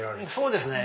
そうですね。